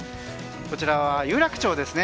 こちらは有楽町ですね。